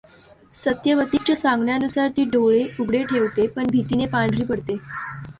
सत्यवतीकच्या सांगण्यानुसार ती डोळे उघडे ठेवते पण भितीने पांढरी पडते.